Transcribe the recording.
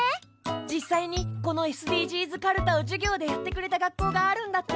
実際にこのＳＤＧｓカルタを授業でやってくれた学校があるんだって！